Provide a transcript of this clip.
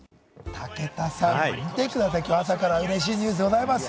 武田さん、見てください、きょう朝からうれしいニュースがありますよ。